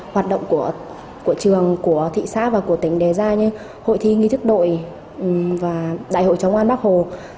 hoạt động của trường của thị xã và của tỉnh đề ra như hội thi nghi thức đội và đại hội chống an bắc hồ